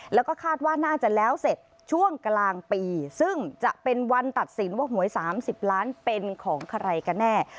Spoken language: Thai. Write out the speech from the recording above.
แล้วก็คาดว่าน่าจะแล้วเสร็จช่วงกลางปีซึ่งจะเป็นวันตัดสินว่าหวย๓๐ล้านเป็นของใครกันแน่